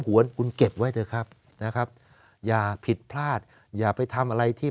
หวนคุณเก็บไว้เถอะครับนะครับอย่าผิดพลาดอย่าไปทำอะไรที่